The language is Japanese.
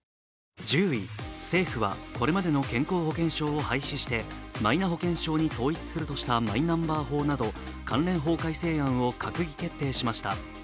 政府はこれまでの健康保険証を廃止して、マイナ保険証に統一するとしたマイナンバー法など関連法改定案を閣議決定しました。